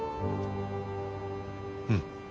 うん。